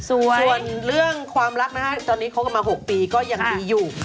ส่วนเรื่องความรักนะฮะตอนนี้คบกันมา๖ปีก็ยังดีอยู่